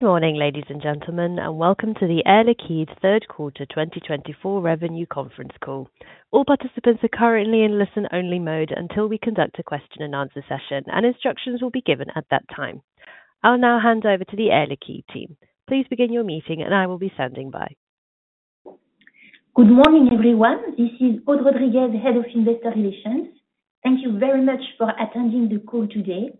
Good morning, ladies and gentlemen, and welcome to the Air Liquide Third Quarter 2024 Revenue Conference Call. All participants are currently in listen-only mode until we conduct a question and answer session, and instructions will be given at that time. I'll now hand over to the Air Liquide team. Please begin your meeting, and I will be standing by. Good morning, everyone. This is Aude Rodriguez, Head of Investor Relations. Thank you very much for attending the call today.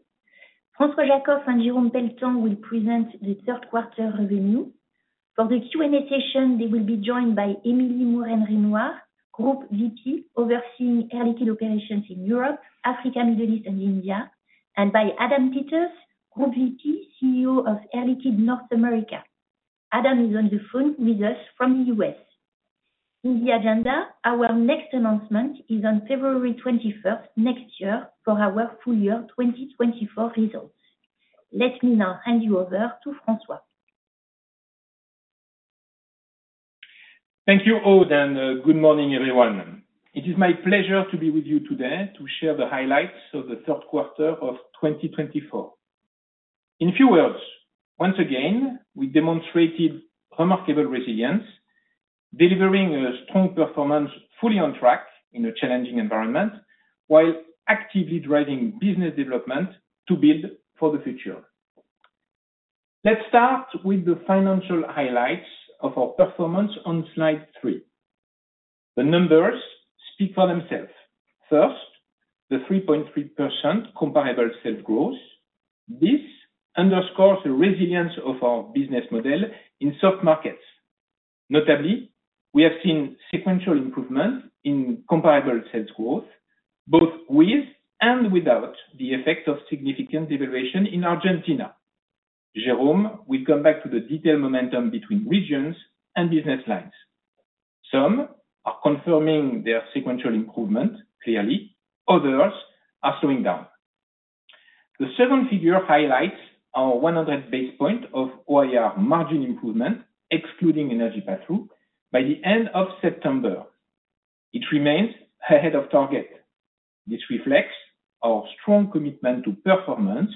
François Jackow and Jérôme Pelletan will present the third quarter review. For the Q&A session, they will be joined by Emilie Mouren-Renouard, Group VP, overseeing Air Liquide operations in Europe, Africa, Middle East, and India, and by Adam Peters, Group VP, CEO of Air Liquide, North America. Adam is on the phone with us from the U.S. In the agenda, our next announcement is on February twenty-first next year for our full year twenty twenty-four results. Let me now hand you over to François. Thank you, Aude, and good morning, everyone. It is my pleasure to be with you today to share the highlights of the third quarter of twenty twenty-four. In a few words, once again, we demonstrated remarkable resilience, delivering a strong performance fully on track in a challenging environment, while actively driving business development to build for the future. Let's start with the financial highlights of our performance on slide three. The numbers speak for themselves. First, the 3.3% comparable sales growth. This underscores the resilience of our business model in soft markets. Notably, we have seen sequential improvement in comparable sales growth, both with and without the effect of significant devaluation in Argentina. Jérôme will come back to the detailed momentum between regions and business lines. Some are confirming their sequential improvement, clearly, others are slowing down. The second figure highlights our 100 basis point of OIR margin improvement, excluding energy pass-through, by the end of September. It remains ahead of target. This reflects our strong commitment to performance.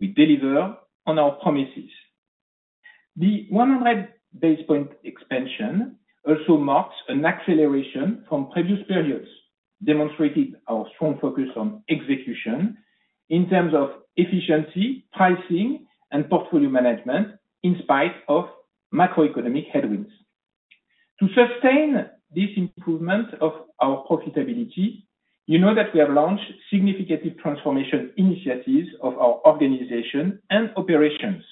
We deliver on our promises. The 100 basis point expansion also marks an acceleration from previous periods, demonstrating our strong focus on execution in terms of efficiency, pricing, and portfolio management, in spite of macroeconomic headwinds. To sustain this improvement of our profitability, you know that we have launched significant transformation initiatives of our organization and operations.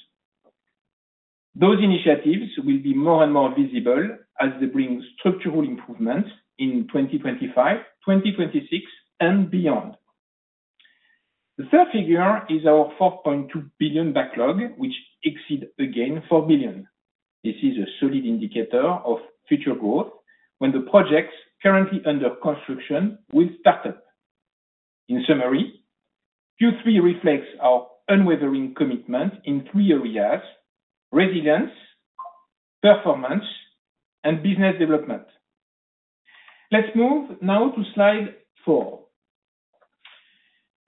Those initiatives will be more and more visible as they bring structural improvements in 2025, 2026, and beyond. The third figure is our 4.2 billion backlog, which exceed, again, 4 billion. This is a solid indicator of future growth when the projects currently under construction will start up. In summary, Q3 reflects our unwavering commitment in three areas: Resilience, Performance, and Business Development. Let's move now to slide four.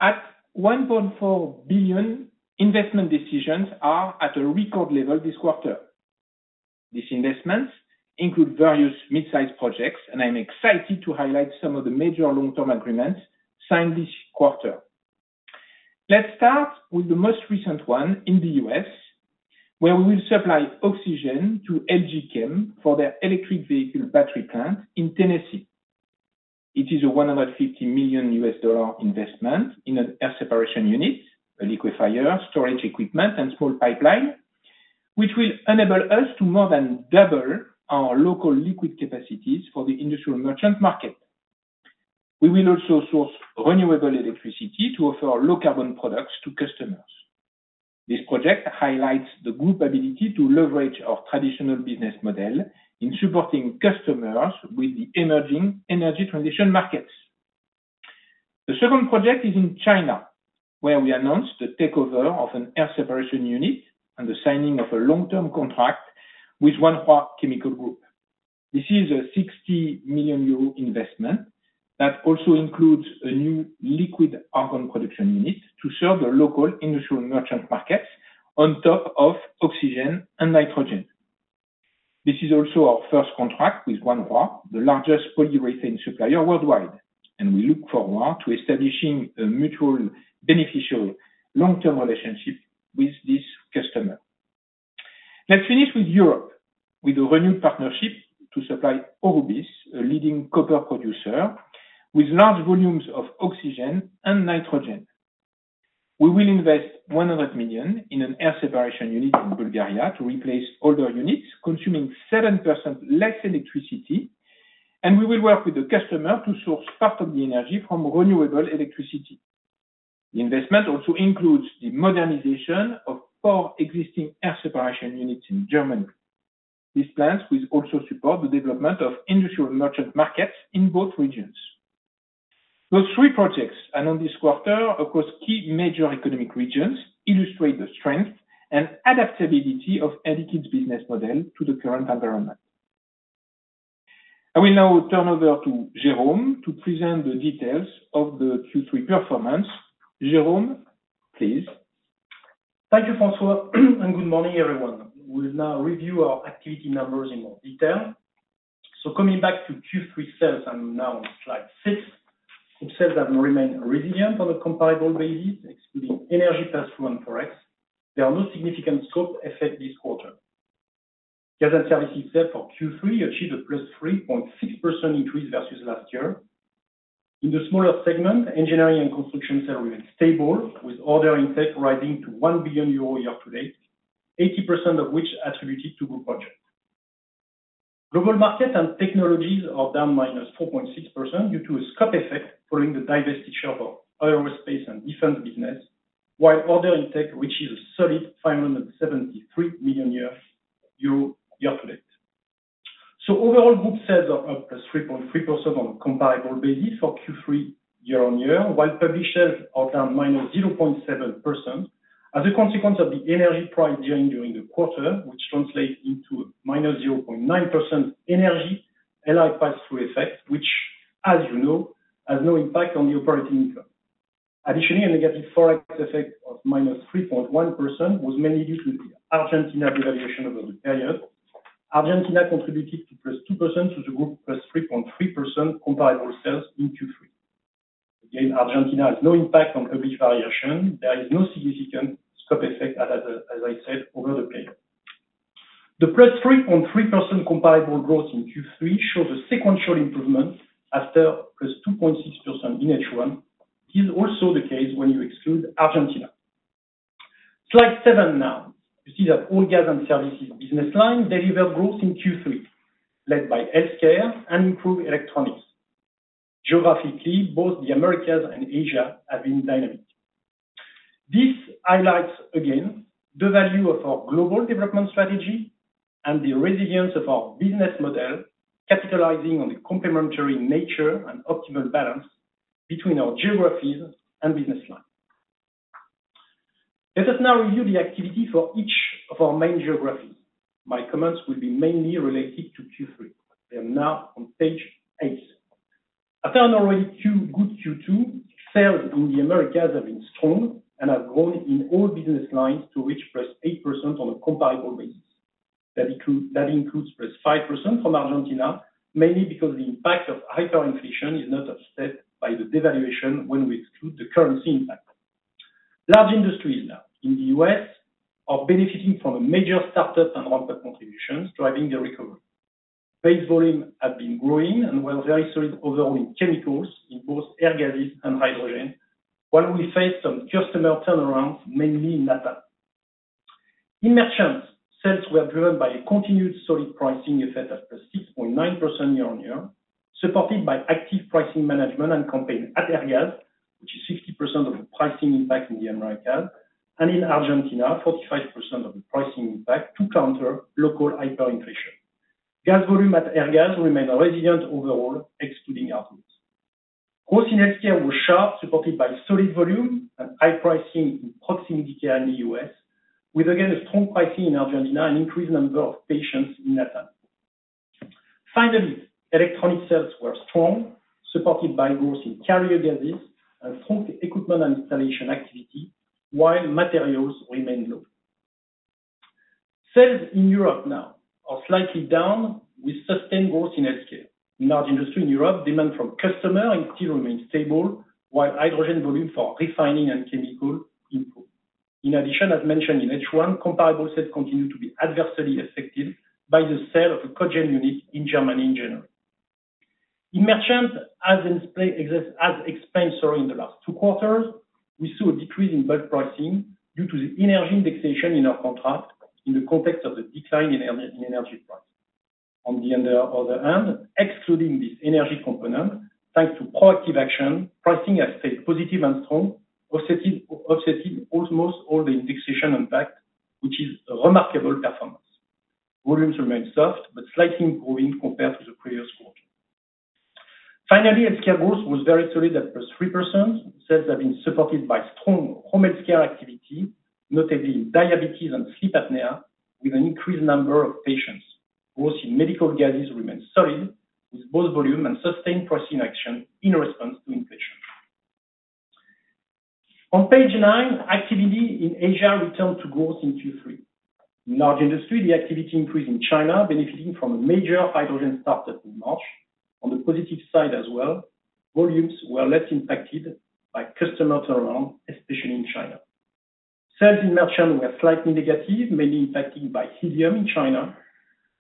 At 1.4 billion, investment decisions are at a record level this quarter. These investments include various mid-size projects, and I'm excited to highlight some of the major long-term agreements signed this quarter. Let's start with the most recent one in the U.S., where we will supply oxygen to LG Chem for their Electric Vehicle Battery Plant in Tennessee. It is a $150 million investment in an air separation unit, a Liquefier, Storage Equipment, and Small Pipeline, which will enable us to more than double our Local Liquid Capacities for the industrial merchant market. We will also source renewable electricity to offer low carbon products to customers. This project highlights the group ability to leverage our traditional business model in supporting customers with the emerging energy transition markets. The second project is in China, where we announced the takeover of an air separation unit and the signing of a long-term contract with Wanhua Chemical Group. This is a 60 million euro investment that also includes a new liquid argon production unit to serve the local industrial merchant markets on top of oxygen and nitrogen. This is also our first contract with Wanhua, the largest polyurethane supplier worldwide, and we look forward to establishing a mutual, beneficial, long-term relationship with this customer. Let's finish with Europe, with a renewed partnership to supply Aurubis, a leading copper producer, with large volumes of oxygen and nitrogen. We will invest 100 million in an air separation unit in Bulgaria to replace older units, consuming 7% less electricity, and we will work with the customer to source part of the energy from renewable electricity. The investment also includes the modernization of four existing air separation units in Germany. These plants will also support the development of industrial merchant markets in both regions. Those three projects, and on this quarter, across key major economic regions, illustrate the strength and adaptability of Air Liquide's business model to the current environment.... I will now turn over to Jérôme to present the details of the Q3 performance. Jérôme, please. Thank you, François, and good morning, everyone. We'll now review our activity numbers in more detail. So coming back to Q3 sales, and now on slide 6, sales have remained resilient on a comparable basis, excluding energy pass-through and Forex. There are no significant scope effect this quarter. Gas and Services segment for Q3 achieved a +3.6% increase versus last year. In the smaller segment, Engineering & Construction sales remained stable, with order intake rising to 1 billion euro year-to-date, 80% of which attributed to group project. Global Markets and Technologies are down -4.6% due to a scope effect, following the divestiture of aerospace and defense business, while order intake, which is a solid 573 million year-to-date. So overall, group sales are up +3.3% on a comparable basis for Q3 year-on-year, while published sales are down -0.7%, as a consequence of the energy price during the quarter, which translates into -0.9% energy and pass-through effect, which, as you know, has no impact on the operating income. Additionally, a negative Forex effect of -3.1% was mainly due to the Argentina devaluation over the period. Argentina contributed to +2% to the group, +3.3% comparable sales in Q3. Again, Argentina has no impact on published valuation. There is no significant scope effect, as I said, over the period. The +3.3% comparable growth in Q3 shows a sequential improvement after +2.6% in H1, is also the case when you exclude Argentina. Slide seven now. You see that all gas and services business line deliver growth in Q3, led by healthcare and improved electronics. Geographically, both the Americas and Asia have been dynamic. This highlights, again, the value of our global development strategy and the resilience of our business model, capitalizing on the complementary nature and optimal balance between our geographies and business lines. Let us now review the activity for each of our main geographies. My comments will be mainly related to Q3. We are now on page eight. After an already good Q2, sales in the Americas have been strong and have grown in all business lines to reach +8% on a comparable basis. That includes +5% from Argentina, mainly because the impact of hyperinflation is not offset by the devaluation when we exclude the currency impact. Large Industries now in the U.S. are benefiting from a major startup and output contributions, driving the recovery. Base volumes have been growing and were very solid overall in chemicals, in both air gases and hydrogen, while we face some customer turnarounds, mainly in Latin. In Merchant, sales were driven by a continued solid pricing effect of +6.9% year-on-year, supported by active pricing management and campaigns at Airgas, which is 60% of the pricing impact in the Americas, and in Argentina, 45% of the pricing impact to counter local hyperinflation. Gas volume at Airgas remains resilient overall, excluding outputs. Growth in healthcare were sharp, supported by solid volume and high pricing in Proximity Healthcare in the U.S., with again, a strong pricing in Argentina and increased number of patients in Latin. Finally, electronic sales were strong, supported by growth in Carrier Gases and strong Equipment & Installation activity, while materials remain low. Sales in Europe now are slightly down, with sustained growth in healthcare. In large industry in Europe, demand from customer still remains stable, while hydrogen volume for refining and chemical improve. In addition, as mentioned in H1, comparable sales continue to be adversely affected by the sale of a cogen unit in Germany in general. In merchants, as in Electronics, as explained so in the last two quarters, we saw a decrease in bulk pricing due to the energy indexation in our contract, in the context of the decline in energy price. On the other hand, excluding this energy component, thanks to proactive action, pricing has stayed positive and strong, offsetting almost all the indexation impact, which is a remarkable performance. Volumes remain soft, but slightly growing compared to the previous quarter. Finally, healthcare growth was very solid at +3%. Sales have been supported by strong home healthcare activity, notably in diabetes and sleep apnea, with an increased number of patients. Growth in medical gases remains solid, with both volume and sustained pricing action in response to inflation. On page nine, activity in Asia returned to growth in Q3. In large industry, the activity increased in China, benefiting from a major hydrogen startup in March. On the positive side as well, volumes were less impacted by customer turnaround, especially in China. Sales in merchant were slightly negative, mainly impacted by helium in China.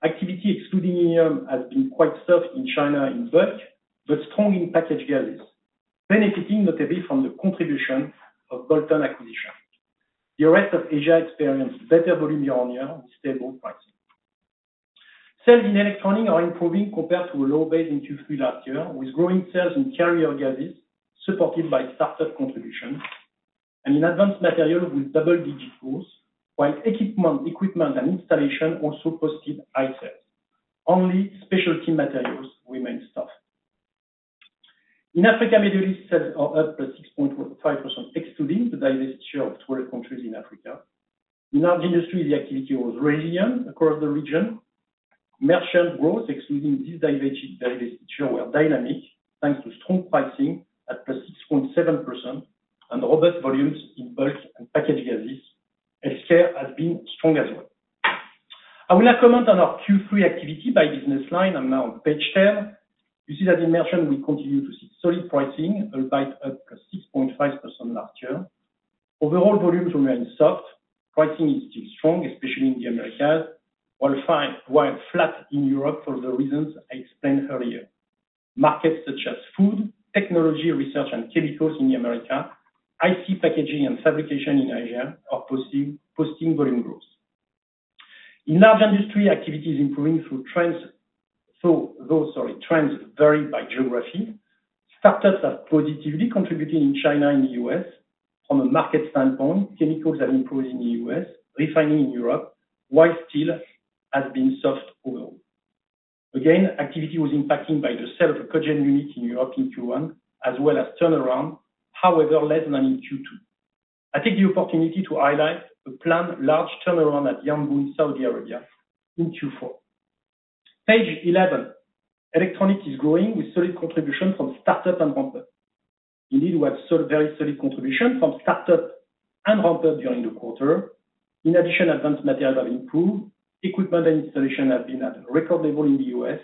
Activity excluding helium has been quite soft in China in bulk, but strong in packaged gases, benefiting notably from the contribution of Boton acquisition. The rest of Asia experienced better volume year-on-year and stable pricing. Sales in electronics are improving compared to a low base in Q3 last year, with growing sales in Carrier Gases, supported by startup contribution, and in Advanced Materials with double-digit growth, while Equipment & Installation also posted high sales. Only Specialty Materials remain soft. In Africa and the Middle East, sales are up by 6.5%, excluding the divestiture of 12 countries in Africa. In Large Industries, the activity was resilient across the region. Merchant growth, excluding this divestiture, was dynamic, thanks to strong pricing at +6.7% and robust volumes in bulk and packaging gases, and sales have been strong as well. I will now comment on our Q3 activity by business line and now on page ten. You see that in Merchant, we continue to see solid pricing, albeit up 6.5% last year. Overall volumes remain soft. Pricing is still strong, especially in the Americas, while flat in Europe for the reasons I explained earlier. Markets such as food, technology, research, and chemicals in the Americas, IC packaging and fabrication in Asia are posting volume growth. In Large Industries, activity is improving, though trends vary by geography. Startups are positively contributing in China and the US. From a market standpoint, chemicals are improving in the U.S., refining in Europe, while steel has been soft overall. Again, activity was impacted by the sale of a cogen unit in Europe in Q1, as well as turnaround, however, less than in Q2. I take the opportunity to highlight a planned large turnaround at Yanbu, Saudi Arabia, in Q4. Page eleven. Electronics is growing with solid contribution from startup and ramp-up. Indeed, we have solid, very solid contribution from start-up and ramp-up during the quarter. In addition, Advanced Materials have improved. Equipment & Installation have been at a record level in the U.S.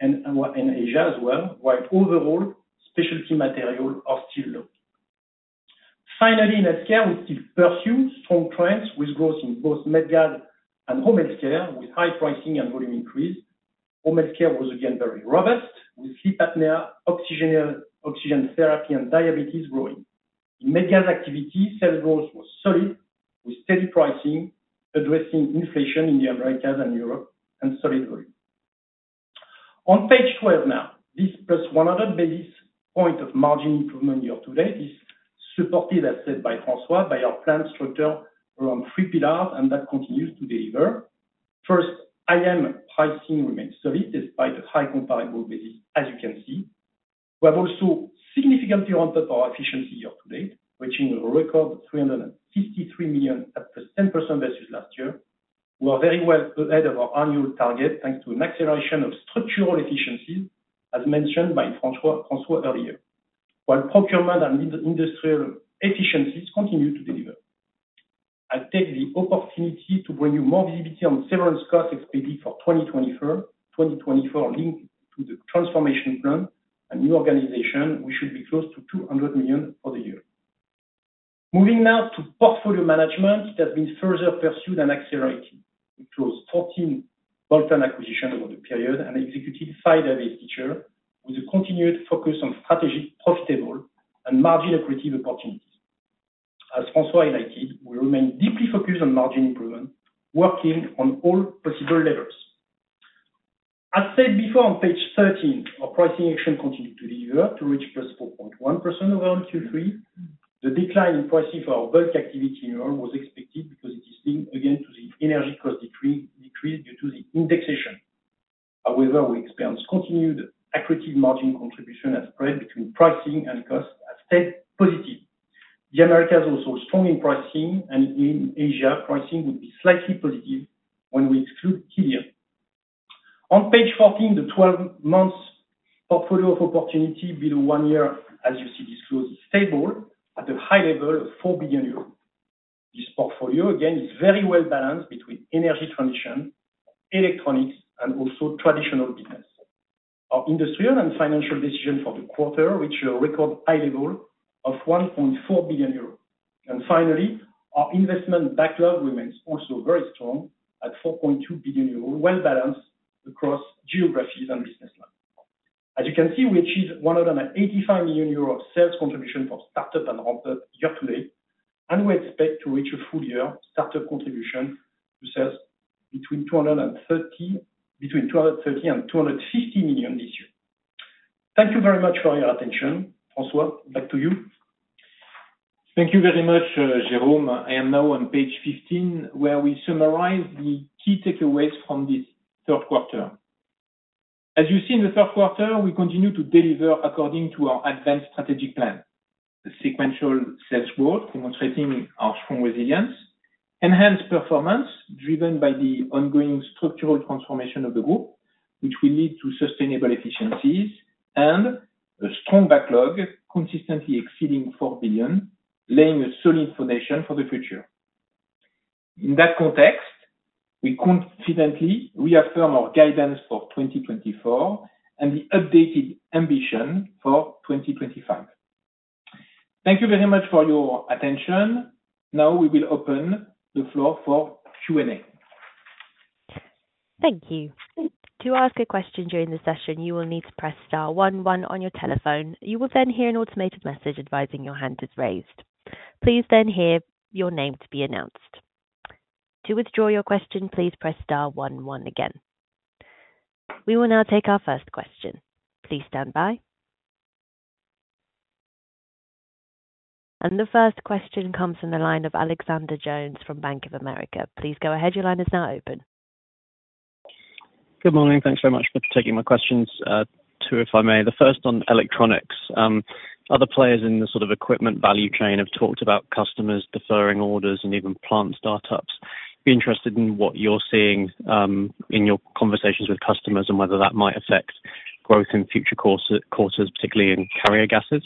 and in Asia as well, while overall, Specialty Materials are still low. Finally, in healthcare, we still pursue strong trends with growth in both med gas and home healthcare, with high pricing and volume increase. Home healthcare was again very robust, with sleep apnea, oxygen, oxygen therapy, and diabetes growing. In med gas activity, sales growth was solid, with steady pricing, addressing inflation in the Americas and Europe, and solid volume. On page twelve now, this +100 basis points of margin improvement year to date is supported, as said by François, by our plan structure around three pillars, and that continues to deliver. First, IM pricing remains solid, despite the high comparable basis, as you can see. We have also significantly ramped up our efficiency year to date, reaching a record 353 million versus last year. We are very well ahead of our annual target, thanks to an acceleration of structural efficiencies, as mentioned by François earlier. While procurement and industrial efficiencies continue to deliver. I take the opportunity to bring you more visibility on severance costs expected for twenty twenty-four, linked to the transformation plan and new organization, we should be close to 200 million for the year. Moving now to portfolio management, that means further pursuit and accelerating, which was 14 bolt-on acquisitions over the period and executed 5 divestiture, with a continued focus on strategic, profitable, and margin accretive opportunities. As François highlighted, we remain deeply focused on margin improvement, working on all possible levels. As said before, on page 13, our pricing action continued to deliver to reach +4.1% over Q3. The decline in pricing for our bulk activity in Europe was expected because it is linked again to the energy cost decrease due to the indexation. However, we experienced continued accretive margin contribution as spread between pricing and costs have stayed positive. The Americas are also strong in pricing, and in Asia, pricing will be slightly positive when we exclude India. On page 14, the 12 months portfolio of opportunity below one year, as you see, this growth is stable at a high level of 4 billion euros. This portfolio, again, is very well balanced between energy transition, electronics, and also traditional business. Our investment decisions for the quarter, which are at a record high level of 1.4 billion euros. And finally, our investment backlog remains also very strong at 4.2 billion euros, well balanced across geographies and business lines. As you can see, we achieved 185 million euros of sales contribution from startup and ramp-up year to date, and we expect to reach a full year startup contribution to sales between 230 Million and 250 million this year. Thank you very much for your attention. François, back to you. Thank you very much, Jérôme. I am now on page fifteen, where we summarize the key takeaways from this third quarter. As you see, in the third quarter, we continue to deliver according to our Advance strategic plan. The sequential sales growth, demonstrating our strong resilience, enhanced performance, driven by the ongoing structural transformation of the group, which will lead to sustainable efficiencies and a strong backlog, consistently exceeding 4 billion, laying a solid foundation for the future. In that context, we confidently reaffirm our guidance for twenty twenty-four and the updated ambition for 2025. Thank you very much for your attention. Now, we will open the floor for Q&A. Thank you. To ask a question during the session, you will need to press star one one on your telephone. You will then hear an automated message advising your hand is raised. Please then hear your name to be announced. To withdraw your question, please press star one one again. We will now take our first question. Please stand by. And the first question comes from the line of Alexander Jones from Bank of America. Please go ahead. Your line is now open. Good morning. Thanks very much for taking my questions. Two, if I may. The first on electronics. Other players in the sort of equipment value chain have talked about customers deferring orders and even plant startups. Be interested in what you're seeing in your conversations with customers, and whether that might affect growth in future quarters, particularly in Carrier Gases.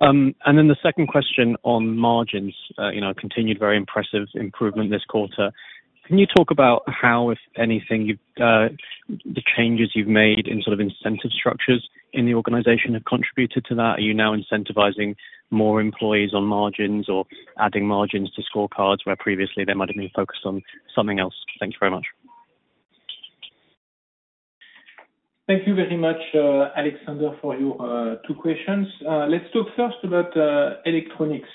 And then the second question on margins. You know, continued very impressive improvement this quarter. Can you talk about how, if anything, the changes you've made in sort of incentive structures in the organization have contributed to that? Are you now incentivizing more employees on margins or adding margins to scorecards, where previously they might have been focused on something else? Thank you very much. Thank you very much, Alexander, for your two questions. Let's talk first about electronics.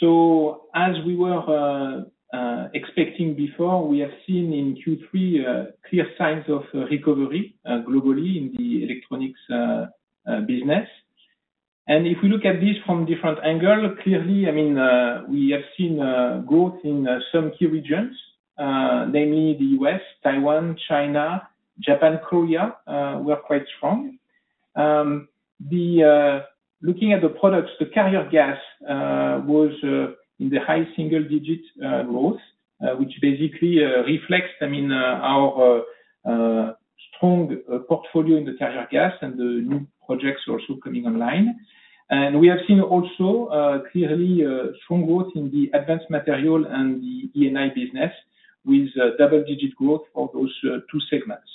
So as we were expecting before, we have seen in Q3 clear signs of recovery globally in the electronics business, and if we look at this from different angle, clearly, I mean, we have seen growth in some key regions, namely the US, Taiwan, China, Japan, Korea, were quite strong. Looking at the products, the carrier gas was in the high single digit growth, which basically reflects, I mean, our strong portfolio in the carrier gas and the new projects also coming online. We have seen also clearly strong growth in the Advanced Materials and the semi business with double-digit growth for those two segments.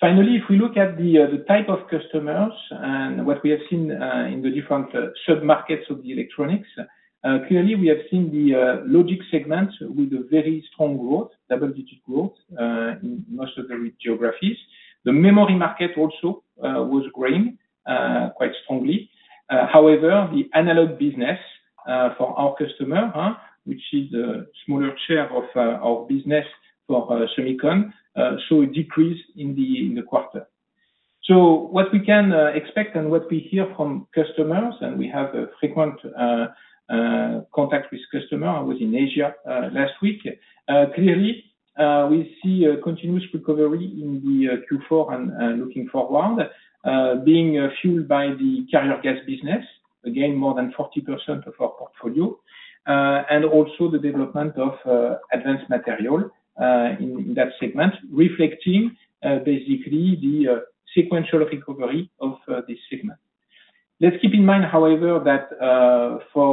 Finally, if we look at the type of customers and what we have seen in the different sub-markets of the electronics, clearly we have seen the logic segment with a very strong growth, double-digit growth in most of the geographies. The memory market also was growing quite strongly. However, the analog business for our customer, which is a smaller share of our business for silicon, saw a decrease in the quarter. So what we can expect and what we hear from customers, and we have a frequent contact with customer. I was in Asia last week. Clearly, we see a continuous recovery in the Q4 and looking forward, being fueled by the carrier gas business. Again, more than 40% of our portfolio, and also the development of Advanced Material in that segment, reflecting basically the sequential recovery of this segment. Let's keep in mind, however, that for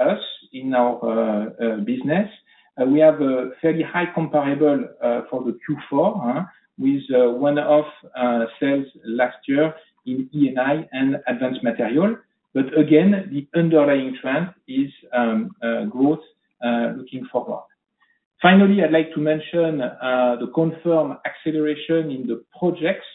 us, in our business, we have a fairly high comparable for the Q4 with one off sales last year in E&I and Advanced Material. But again, the underlying trend is growth looking forward. Finally, I'd like to mention the confirmed acceleration in the projects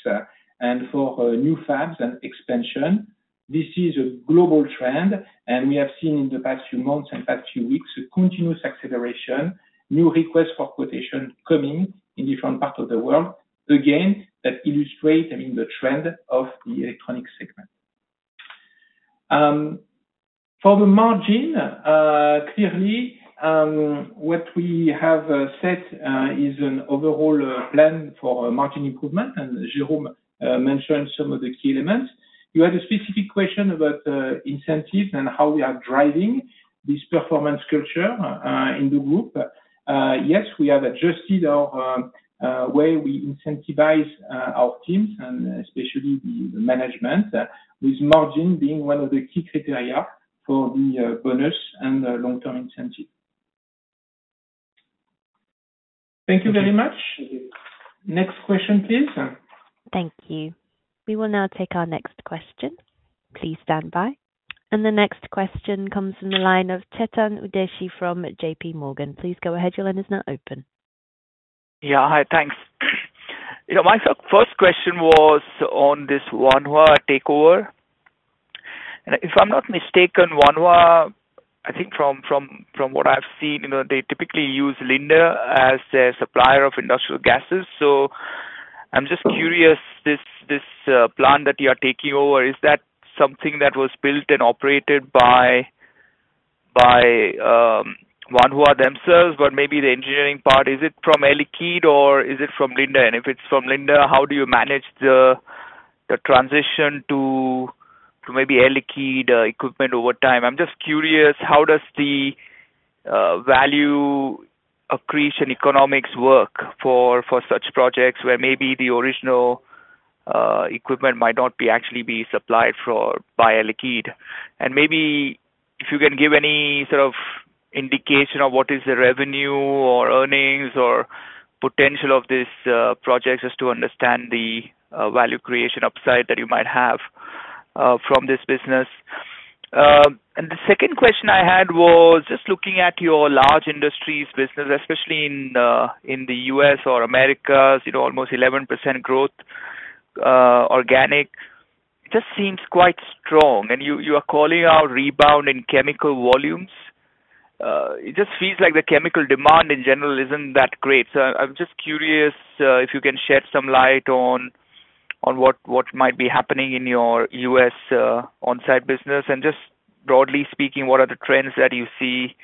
and for new fabs and expansion. This is a global trend, and we have seen in the past few months and past few weeks, a continuous acceleration, new requests for quotation coming in different parts of the world. Again, that illustrate, I mean, the trend of the electronic segment. For the margin, clearly, what we have set is an overall plan for margin improvement, and Jérôme mentioned some of the key elements. You had a specific question about incentives and how we are driving this performance culture in the group. Yes, we have adjusted our way we incentivize our teams and especially the management, with margin being one of the key criteria for the bonus and long-term incentive. Thank you very much. Next question, please. Thank you. We will now take our next question. Please stand by. And the next question comes from the line of Chetan Udeshi from JPMorgan. Please go ahead, your line is now open. Yeah. Hi, thanks. You know, my first question was on this Wanhua takeover. And if I'm not mistaken, Wanhua, I think from what I've seen, you know, they typically use Linde as their supplier of industrial gases. So I'm just curious, this plant that you are taking over, is that something that was built and operated by Wanhua themselves? But maybe the engineering part, is it from Air Liquide or is it from Linde? And if it's from Linde, how do you manage the transition to maybe Air Liquide equipment over time? I'm just curious, how does the value accretion economics work for such projects, where maybe the original equipment might not actually be supplied by Air Liquide? And maybe if you can give any sort of indication of what is the revenue or earnings or potential of this project, just to understand the value creation upside that you might have from this business. And the second question I had was just looking at your large industries business, especially in the U.S. or Americas, you know, almost 11% growth, organic. It just seems quite strong, and you are calling out rebound in chemical volumes. It just feels like the chemical demand, in general, isn't that great. So I'm just curious if you can shed some light on what might be happening in your U.S. on-site business. And just broadly speaking, what are the trends that you see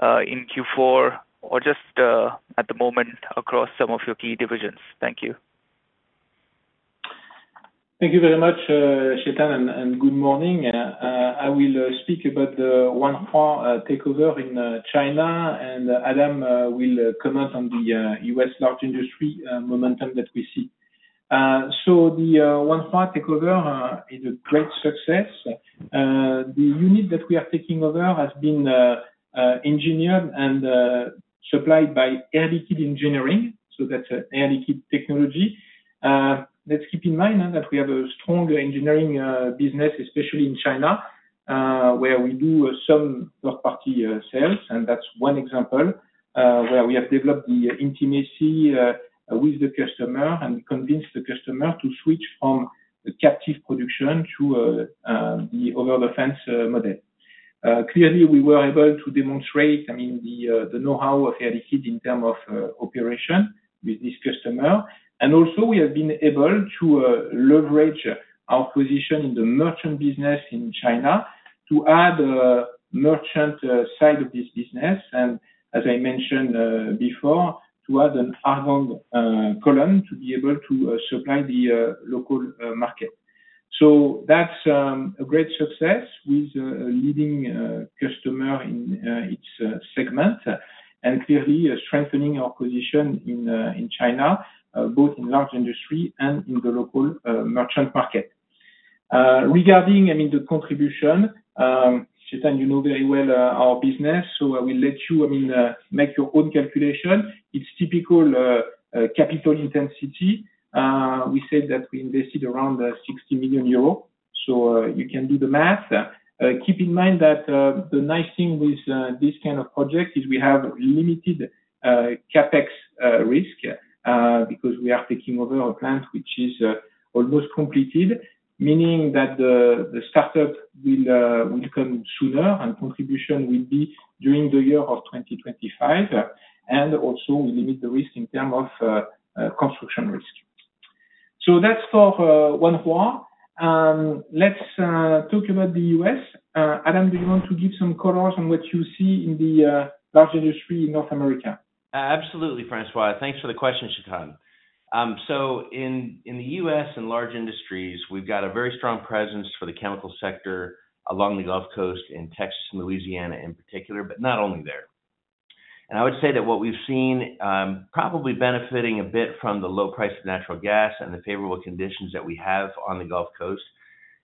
in Q4, or just at the moment across some of your key divisions? Thank you. Thank you very much, Chetan, and good morning. I will speak about the Wanhua takeover in China, and Adam will comment on the U.S. Large Industries momentum that we see. So the Wanhua takeover is a great success. The unit that we are taking over has been engineered and supplied by Air Liquide Engineering, so that's Air Liquide technology. Let's keep in mind that we have a strong engineering business, especially in China, where we do some third-party sales. That's one example where we have developed the intimacy with the customer and convinced the customer to switch from the captive production to the offtake model. Clearly, we were able to demonstrate, I mean, the know-how of Air Liquide in terms of operation with this customer. And also, we have been able to leverage our position in the merchant business in China to add merchant side of this business, and as I mentioned before, to add an argon column, to be able to supply the local market. That's a great success with a leading customer in its segment, and clearly is strengthening our position in China both in large industry and in the local merchant market. Regarding, I mean, the contribution, Chetan, you know very well our business, so I will let you, I mean, make your own calculation. It's typical capital intensity. We said that we invested around 60 million euro, so you can do the math. Keep in mind that the nice thing with this kind of project is we have limited CapEx risk because we are taking over a plant which is almost completed. Meaning that the startup will come sooner, and contribution will be during the year of 2025, and also will limit the risk in terms of construction risk. So that's for Wanhua. Let's talk about the US. Adam, do you want to give some colors on what you see in the large industry in North America? Absolutely, François. Thanks for the question, Chetan. So, in the U.S. and Large Industries, we've got a very strong presence for the chemical sector along the Gulf Coast, in Texas and Louisiana in particular, but not only there. And I would say that what we've seen, probably benefiting a bit from the low price of natural gas and the favorable conditions that we have on the Gulf Coast,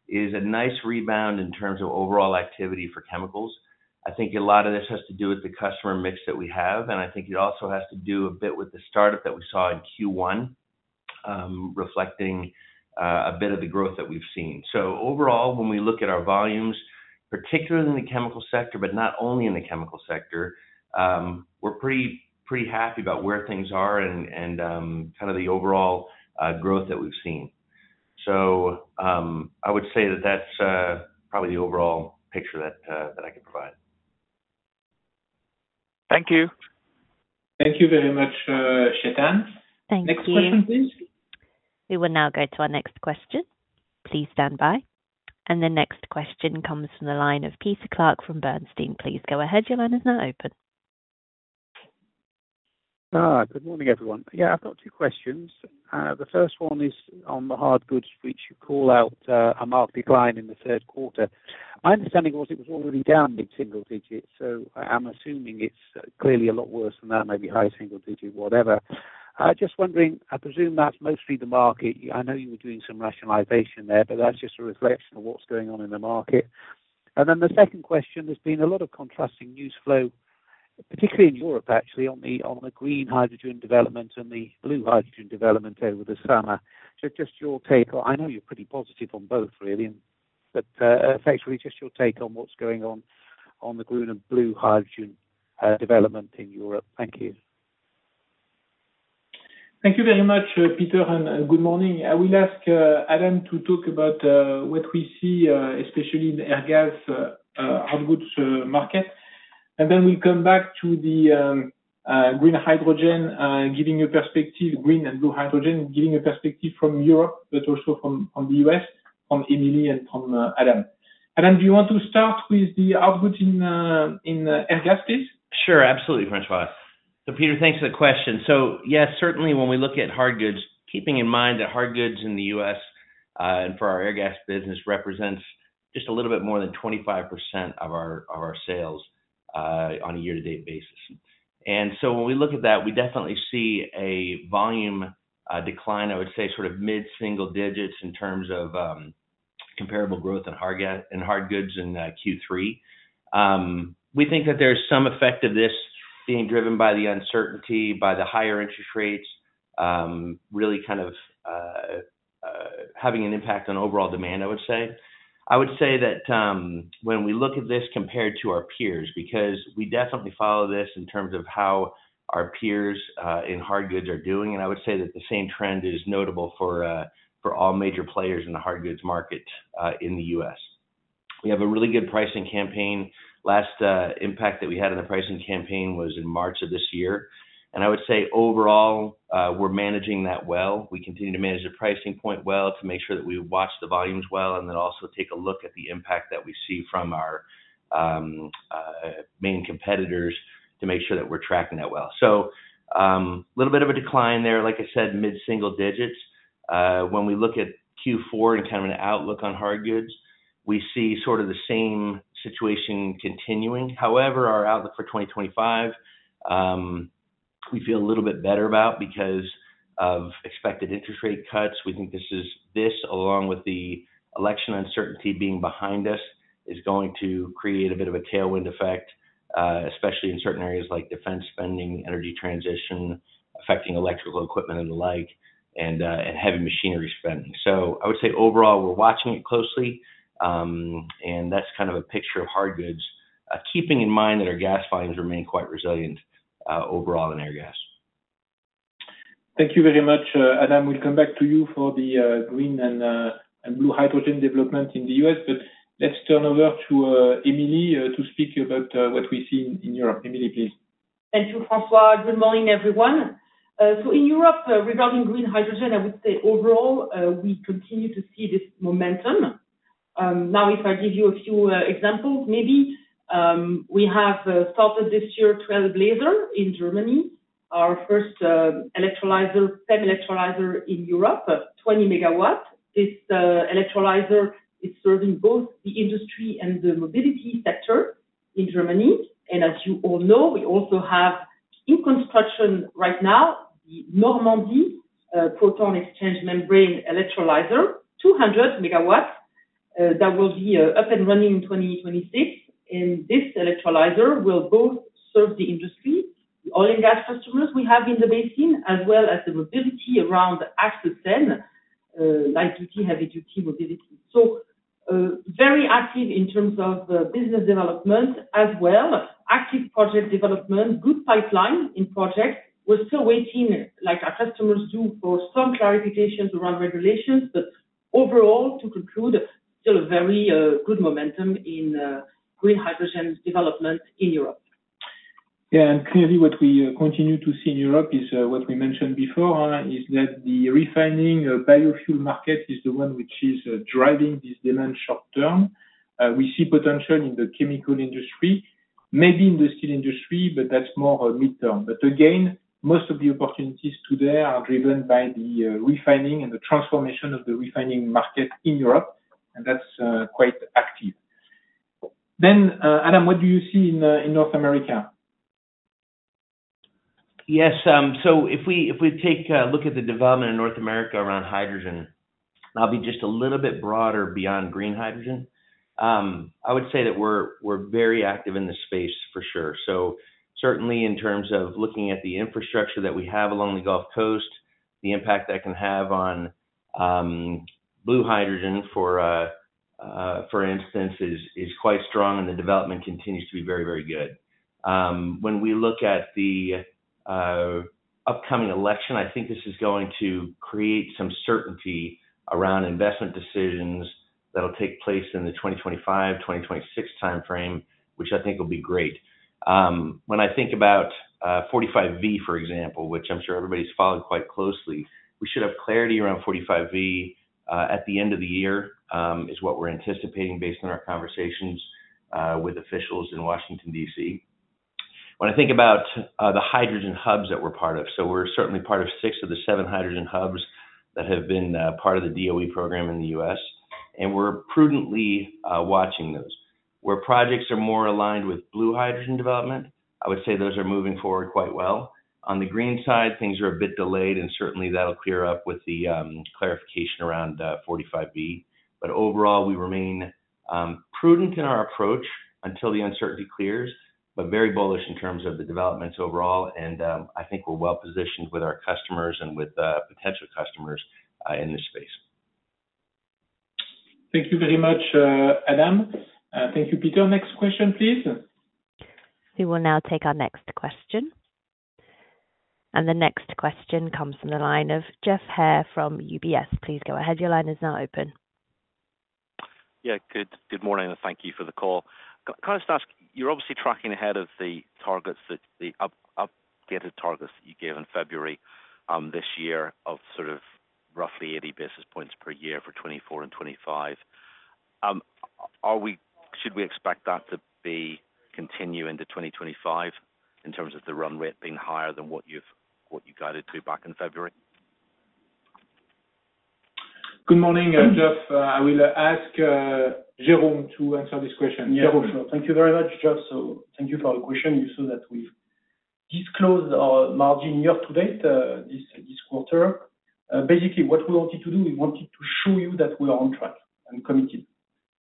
is a nice rebound in terms of overall activity for chemicals. I think a lot of this has to do with the customer mix that we have, and I think it also has to do a bit with the startup that we saw in Q1, reflecting a bit of the growth that we've seen. So overall, when we look at our volumes, particularly in the chemical sector, but not only in the chemical sector, we're pretty happy about where things are and kind of the overall growth that we've seen. So, I would say that that's probably the overall picture that I can provide. Thank you. Thank you very much, Chetan. Thank you. Next question, please. We will now go to our next question. Please stand by. And the next question comes from the line of Peter Clark from Bernstein. Please go ahead. Your line is now open. Good morning, everyone. Yeah, I've got two questions. The first one is on the Hardgoods, which you call out, a marked decline in the third quarter. My understanding was it was already down mid-single digits, so I'm assuming it's clearly a lot worse than that, maybe high single digit, whatever. I'm just wondering, I presume that's mostly the market. I know you were doing some rationalization there, but that's just a reflection of what's going on in the market. And then the second question, there's been a lot of contrasting news flow, particularly in Europe, actually, on the green hydrogen development and the blue hydrogen development over the summer. So just your take. I know you're pretty positive on both really, but actually just your take on what's going on, on the green and blue hydrogen development in Europe. Thank you. Thank you very much, Peter, and good morning. I will ask Adam to talk about what we see, especially in Airgas Hardgoods market. And then we'll come back to the green hydrogen, giving a perspective, green and blue hydrogen, giving a perspective from Europe, but also from the US, from Émilie and from Adam. Adam, do you want to start with the output in Airgas, please? Sure. Absolutely, François. So Peter, thanks for the question. So yes, certainly when we look at Hardgoods, keeping in mind that Hardgoods in the US, and for our Airgas business, represents just a little bit more than 25% of our sales, on a year-to-date basis. And so when we look at that, we definitely see a volume decline, I would say, sort of mid-single digits in terms of comparable growth in Hardgoods in Q3. We think that there's some effect of this being driven by the uncertainty, by the higher interest rates, really kind of having an impact on overall demand, I would say. I would say that, when we look at this compared to our peers, because we definitely follow this in terms of how our peers in Hardgoods are doing, and I would say that the same trend is notable for all major players in the Hardgoods market in the U.S. We have a really good pricing campaign. Last impact that we had on the pricing campaign was in March of this year. And I would say, overall, we're managing that well. We continue to manage the pricing point well to make sure that we watch the volumes well, and then also take a look at the impact that we see from our main competitors to make sure that we're tracking that well. So, little bit of a decline there, like I said, mid-single digits. When we look at Q4 and kind of an outlook on Hardgoods, we see sort of the same situation continuing. However, our outlook for twenty twenty-five, we feel a little bit better about because of expected interest rate cuts. We think this, along with the election uncertainty being behind us, is going to create a bit of a tailwind effect, especially in certain areas like defense spending, energy transition, affecting electrical equipment and the like, and heavy machinery spending. So I would say, overall, we're watching it closely. And that's kind of a picture of Hardgoods, keeping in mind that our gas volumes remain quite resilient, overall in Airgas. Thank you very much, Adam. We'll come back to you for the green and blue hydrogen development in the US, but let's turn over to Émilie to speak about what we see in Europe. Emilie, please. Thank you, François. Good morning, everyone. So in Europe, regarding green hydrogen, I would say overall, we continue to see this momentum. Now, if I give you a few examples, maybe, we have started this year, Trailblazer in Germany, our first electrolyzer, PEM electrolyzer in Europe, 20-megawatt. This electrolyzer is serving both the industry and the mobility sector in Germany. And as you all know, we also have, in construction right now, the Normandy Proton Exchange Membrane electrolyzer, 200 megawatts, that will be up and running in 2026. And this electrolyzer will both serve the industry, the oil and gas customers we have in the basin, as well as the mobility around Axe Seine, light duty, heavy duty mobility. So, very active in terms of the business development, as well, active project development, good pipeline in project. We're still waiting, like our customers do, for some clarification around regulations. But overall, to conclude, still a very good momentum in green hydrogen development in Europe. Yeah, and clearly what we continue to see in Europe is what we mentioned before, is that the refining of biofuel market is the one which is driving this demand short term. We see potential in the chemical industry, maybe in the steel industry, but that's more of a midterm. But again, most of the opportunities today are driven by the refining and the transformation of the refining market in Europe, and that's quite active. Then, Adam, what do you see in North America? Yes, so if we take a look at the development in North America around hydrogen, I'll be just a little bit broader beyond green hydrogen. I would say that we're very active in this space for sure. So certainly in terms of looking at the infrastructure that we have along the Gulf Coast, the impact that can have on blue hydrogen for instance is quite strong, and the development continues to be very, very good. When we look at the upcoming election, I think this is going to create some certainty around investment decisions that'll take place in the 2025, 2026 timeframe, which I think will be great. When I think about 45V, for example, which I'm sure everybody's followed quite closely, we should have clarity around 45V at the end of the year, is what we're anticipating based on our conversations with officials in Washington, D.C. When I think about the hydrogen hubs that we're part of, so we're certainly part of six of the seven hydrogen hubs that have been part of the DOE program in the U.S., and we're prudently watching those. Where projects are more aligned with blue hydrogen development, I would say those are moving forward quite well. On the green side, things are a bit delayed, and certainly that'll clear up with the clarification around 45V. But overall, we remain prudent in our approach until the uncertainty clears, but very bullish in terms of the developments overall, and I think we're well positioned with our customers and with potential customers in this space. Thank you very much, Adam. Thank you, Peter. Next question, please. We will now take our next question. And the next question comes from the line of Geoff Haire from UBS. Please go ahead, your line is now open. Yeah, good morning, and thank you for the call. Can I just ask, you're obviously tracking ahead of the updated targets that you gave in February this year, of sort of roughly eighty basis points per year for 2024 and 2025. Should we expect that to continue into 2025 in terms of the run rate being higher than what you guided to back in February? Good morning, Geoff. I will ask Jérôme to answer this question. Yeah. Thank you very much, Geoff. So thank you for your question. You saw that we've disclosed our margin year to date, this quarter. Basically, what we wanted to do, we wanted to show you that we are on track and committed.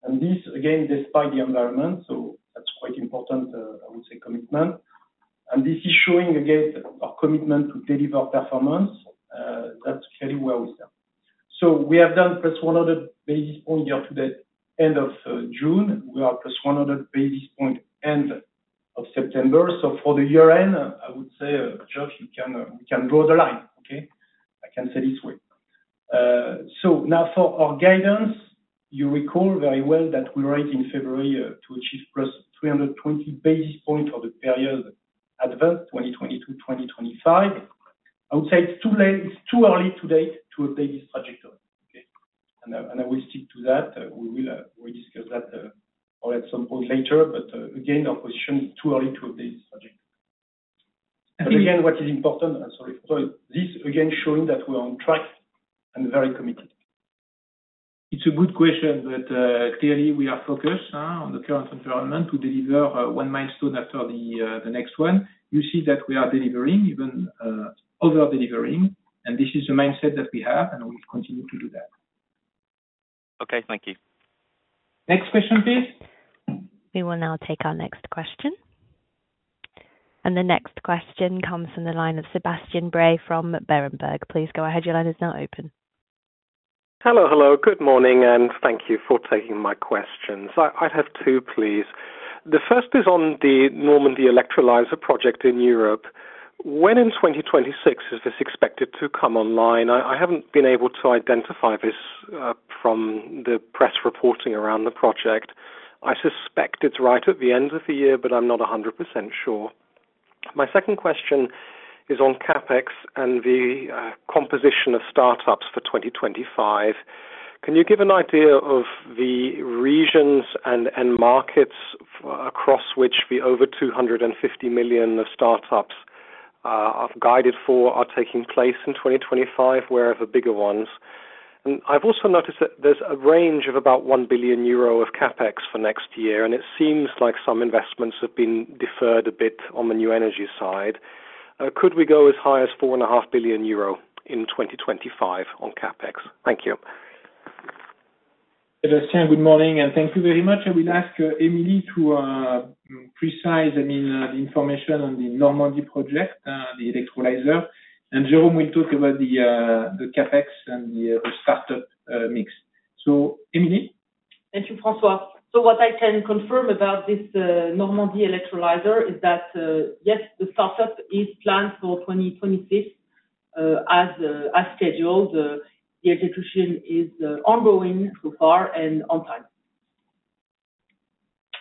And this, again, despite the environment, so that's quite important, I would say, commitment. And this is showing, again, our commitment to deliver performance, that's very well with them. So we have done +100 basis points only up to the end of June. We are +100 basis points end of September. So for the year end, I would say, Geoff, you can, we can draw the line, okay? I can say this way.... so now for our guidance, you recall very well that we raised in February to achieve +320 basis points for the period at the 2020 to 2025. I would say it's too early to date to update this trajectory, okay? And I will stick to that. We will discuss that or at some point later, but again, our position is too early to update this project. But again, what is important. I'm sorry. So this, again, showing that we are on track and very committed. It's a good question, but clearly, we are focused on the current environment to deliver one milestone after the next one. You see that we are delivering, even, over-delivering, and this is the mindset that we have, and we continue to do that. Okay, thank you. Next question, please. We will now take our next question. And the next question comes from the line of Sebastian Bray from Berenberg. Please go ahead, your line is now open. Hello, hello, good morning, and thank you for taking my questions. I have two, please. The first is on the Normandy electrolyzer project in Europe. When in 2026 is this expected to come online? I haven't been able to identify this from the press reporting around the project. I suspect it's right at the end of the year, but I'm not 100% sure. My second question is on CapEx and the composition of startups for 2025. Can you give an idea of the regions and markets across which the over 250 million of startups have guided for are taking place in 2025, where are the bigger ones? And I've also noticed that there's a range of about 1 billion euro of CapEx for next year, and it seems like some investments have been deferred a bit on the new energy side. Could we go as high as 4.5 billion euro in 2025 on CapEx? Thank you. Hey, Sebastian, good morning, and thank you very much. I will ask Emilie to provide, I mean, the information on the Normandy project, the electrolyzer, and Jerome will talk about the CapEx and the startup mix. So, Emilie? Thank you, François. So what I can confirm about this, Normandy electrolyzer is that, yes, the startup is planned for 2026, as scheduled. The execution is ongoing so far and on time.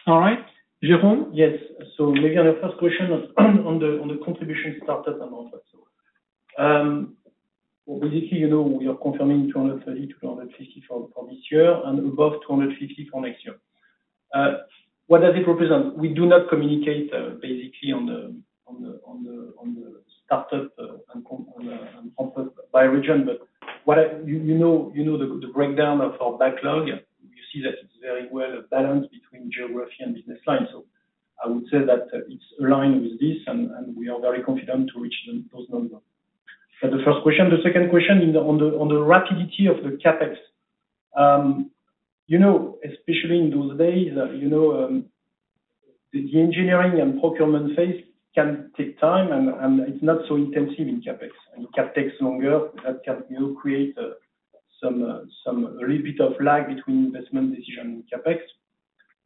All right. Jérôme? Yes. So maybe on the first question on the contribution startup and output. Obviously, you know, we are confirming 230 million-250 million for this year and above 250 million for next year. What does it represent? We do not communicate basically on the startup and on the output by region, but you know the breakdown of our backlog. You see that it's very well balanced between geography and business lines. So I would say that it's aligned with this, and we are very confident to reach them, those numbers. So the first question, the second question on the rapidity of the CapEx. You know, especially in those days, you know, the engineering and procurement phase can take time, and it's not so intensive in CapEx. And CapEx takes longer. That can, you know, create some little bit of lag between investment decision and CapEx.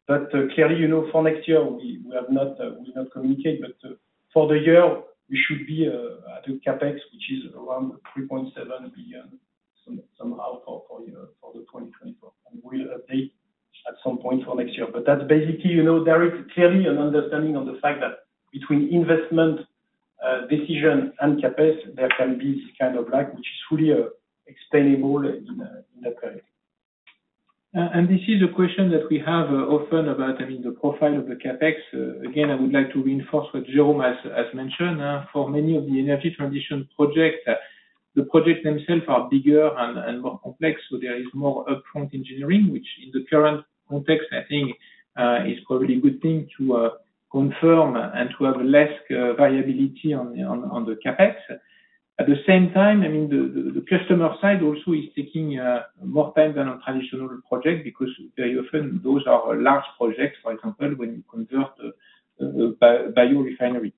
But clearly, you know, for next year, we have not communicated, but for the year, we should be at a CapEx, which is around 3.7 billion, somehow for 2024, and we'll update at some point for next year. But that's basically, you know, there is clearly an understanding of the fact that between investment decision and CapEx, there can be this kind of lag, which is truly explainable in the current. This is a question that we have often about, I mean, the profile of the CapEx. Again, I would like to reinforce what Jérôme has mentioned. For many of the energy transition projects, the projects themselves are bigger and more complex, so there is more upfront engineering, which in the current context, I think, is probably a good thing to confirm and to have less variability on the CapEx. At the same time, I mean, the customer side also is taking more time than a traditional project because very often those are large projects, for example, when you convert a biorefinery.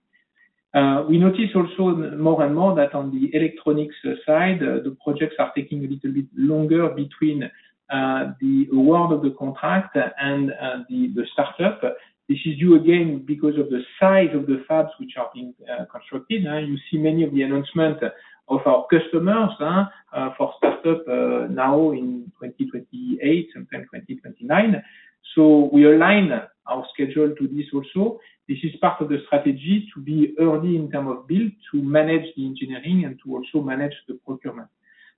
We notice also more and more that on the electronics side, the projects are taking a little bit longer between the award of the contract and the startup. This is you again, because of the size of the fabs which are being constructed. You see many of the announcements of our customers for startup now in twenty twenty-eight and then twenty twenty-nine. So we align our schedule to this also. This is part of the strategy to be early in term of build, to manage the engineering and to also manage the procurement.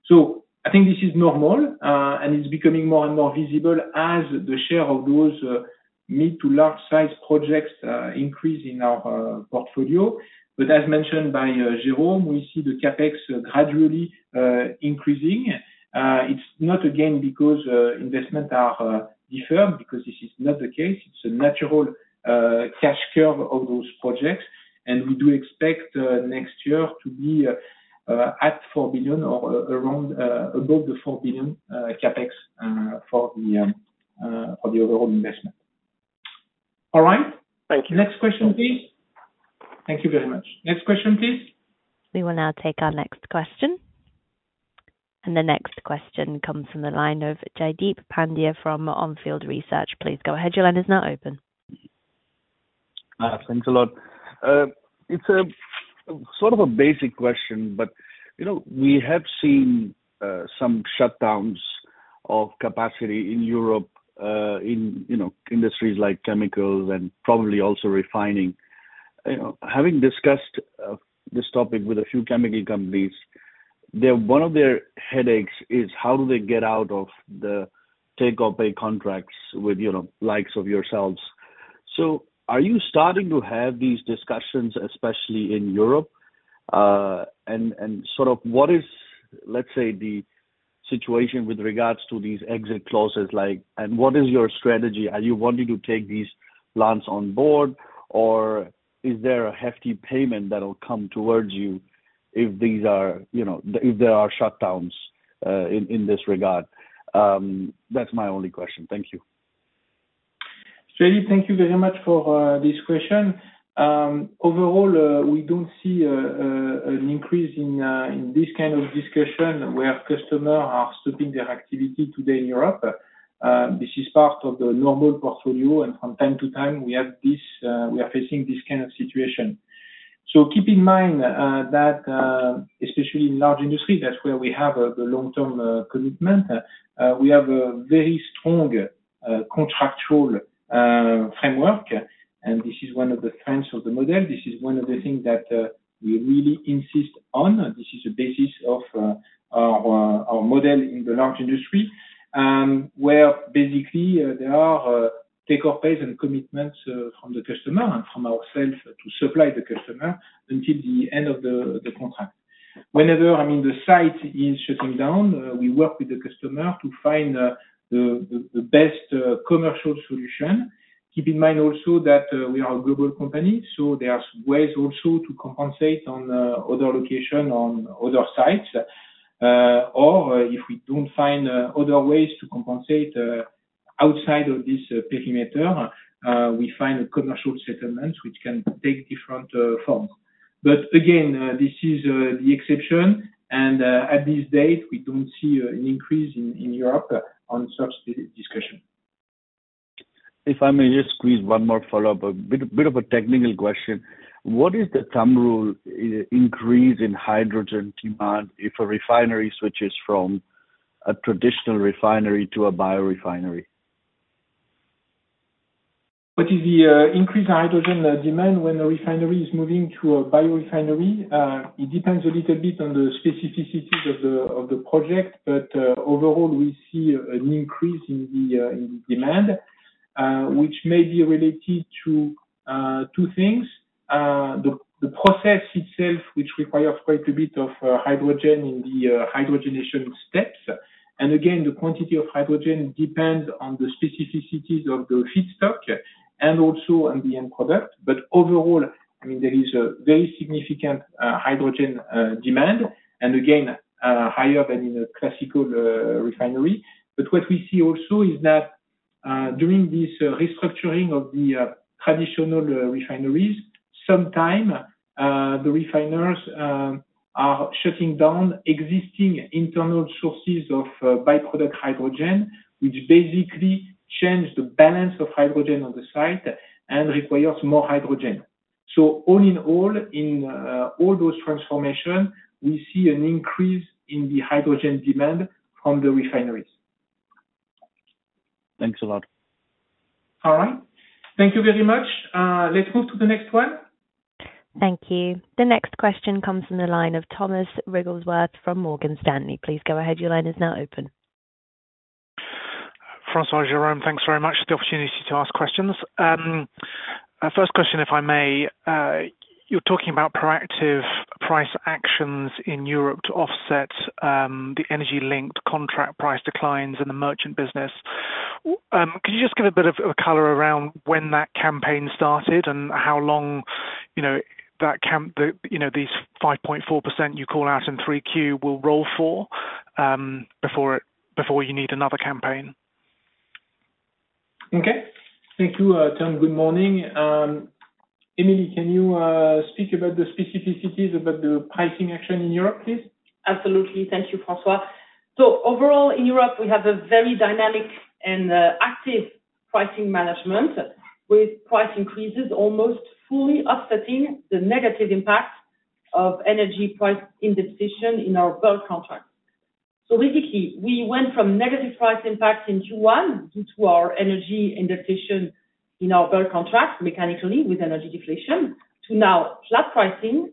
So I think this is normal, and it's becoming more and more visible as the share of those mid to large size projects increase in our portfolio. But as mentioned by Jérôme, we see the CapEx gradually increasing. It's not again because investment are deferred, because this is not the case. It's a natural cash curve of those projects, and we do expect next year to be at four billion or around above the four billion CapEx for the overall investment. All right. Thank you. Next question, please. Thank you very much. Next question, please. We will now take our next question. The next question comes from the line of Jaideep Pandya from On Field Research. Please go ahead, your line is now open. ... Thanks a lot. It's a sort of a basic question, but you know, we have seen some shutdowns of capacity in Europe you know industries like chemicals and probably also refining. You know, having discussed this topic with a few chemical companies, their one of their headaches is how do they get out of the take-or-pay contracts with you know likes of yourselves? So are you starting to have these discussions, especially in Europe? And sort of what is, let's say, the situation with regards to these exit clauses, like, and what is your strategy? Are you wanting to take these plants on board, or is there a hefty payment that will come toward you if these are you know if there are shutdowns in this regard? That's my only question. Thank you. Shirley, thank you very much for this question. Overall, we don't see an increase in this kind of discussion where customer are stopping their activity today in Europe. This is part of the normal portfolio, and from time to time, we have this, we are facing this kind of situation. So keep in mind that especially in large industry, that's where we have the long-term commitment. We have a very strong contractual framework, and this is one of the strengths of the model. This is one of the things that we really insist on. This is the basis of our model in the large industry, where basically there are take or pays and commitments from the customer and from ourselves to supply the customer until the end of the contract. I mean, whenever the site is shutting down, we work with the customer to find the best commercial solution. Keep in mind also that we are a global company, so there are ways also to compensate on other location, on other sites. Or if we don't find other ways to compensate outside of this perimeter, we find a commercial settlement which can take different forms. But again, this is the exception and at this date, we don't see an increase in Europe on such discussion. If I may just squeeze one more follow-up, a bit of a technical question: What is the thumb rule increase in hydrogen demand if a refinery switches from a traditional refinery to a biorefinery? What is the increased hydrogen demand when a refinery is moving to a biorefinery? It depends a little bit on the specificities of the project, but overall, we see an increase in the demand, which may be related to two things. The process itself, which requires quite a bit of hydrogen in the hydrogenation steps. And again, the quantity of hydrogen depends on the specificities of the feedstock and also on the end product. But overall, I mean, there is a very significant hydrogen demand, and again higher than in a classical refinery. But what we see also is that during this restructuring of the traditional refineries, sometimes the refiners are shutting down existing internal sources of by-product hydrogen, which basically change the balance of hydrogen on the site and requires more hydrogen. So all in all, in all those transformations, we see an increase in the hydrogen demand from the refineries. Thanks a lot. All right. Thank you very much. Let's move to the next one. Thank you. The next question comes from the line of Thomas Wrigglesworth from Morgan Stanley. Please go ahead. Your line is now open. François, Jérôme, thanks very much for the opportunity to ask questions. First question, if I may. You're talking about proactive price actions in Europe to offset the energy-linked contract price declines in the merchant business. Could you just give a bit of color around when that campaign started and how long, you know, these 5.4% you call out in 3Q will roll for before you need another campaign? Okay. Thank you, Tom. Good morning. Émilie, can you speak about the specificities about the pricing action in Europe, please? Absolutely. Thank you, François. So overall, in Europe, we have a very dynamic and active pricing management, with price increases almost fully offsetting the negative impact of energy price indexation in our bulk contract. So basically, we went from negative price impact in Q1, due to our energy indexation in our bulk contract, mechanically with energy deflation, to now flat pricing,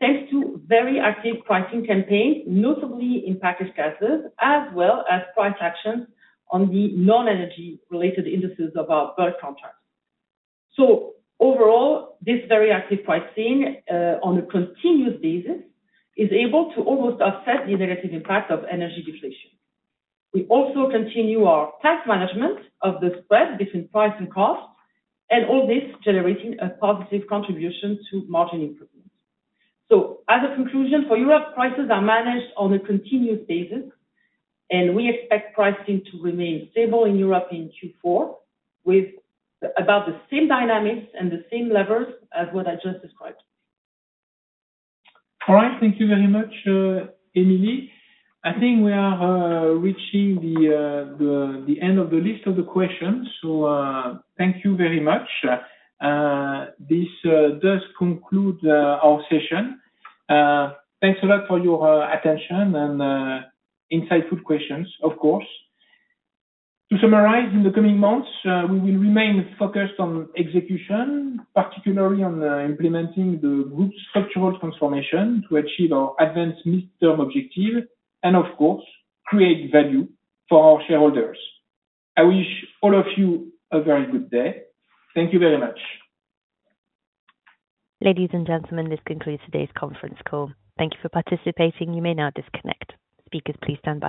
thanks to very active pricing campaign, notably in packaged gases, as well as price actions on the non-energy related indices of our bulk contracts. So overall, this very active pricing on a continuous basis is able to almost offset the negative impact of energy deflation. We also continue our tight management of the spread between price and cost, and all this generating a positive contribution to margin improvements. So as a conclusion, for Europe, prices are managed on a continuous basis, and we expect pricing to remain stable in Europe in Q4, with about the same dynamics and the same levels as what I just described. All right. Thank you very much, Émilie. I think we are reaching the end of the list of the questions. So, thank you very much. This does conclude our session. Thanks a lot for your attention and insightful questions, of course. To summarize, in the coming months, we will remain focused on execution, particularly on implementing the group's structural transformation to achieve our ADVANCE midterm objective, and of course, create value for our shareholders. I wish all of you a very good day. Thank you very much. Ladies and gentlemen, this concludes today's conference call. Thank you for participating. You may now disconnect. Speakers, please stand by.